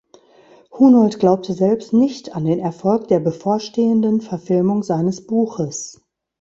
Hunold glaubte selbst nicht an den Erfolg der bevorstehenden Verfilmung seines Buches.